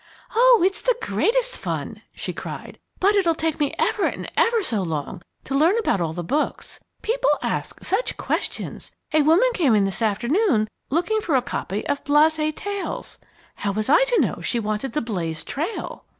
"Oh, it's the greatest fun!" she cried. "But it'll take me ever and ever so long to learn about all the books. People ask such questions! A woman came in this afternoon looking for a copy of Blase Tales. How was I to know she wanted The Blazed Trail?"